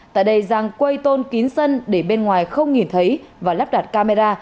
tại đây giang quây tôn kín sân để bên ngoài không nhìn thấy và lắp đặt camera